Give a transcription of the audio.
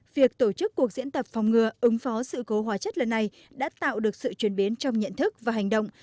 việc tổ chức cuộc diễn tập phòng ngừa ứng phó sự cố hóa chất lần này đã tạo được sự chuyển biến trong nhận thức và hành động